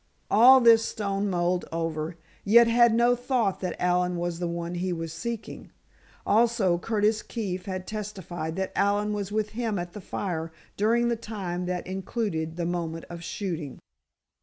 All this Stone mulled over, yet had no thought that Allen was the one he was seeking. Also, Curtis Keefe had testified that Allen was with him at the fire, during the time that included the moment of shooting.